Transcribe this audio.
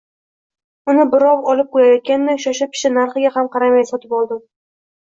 Uni birov olib qoʻyayotgandek, shosha-pisha, narxiga ham qaramay sotib oldim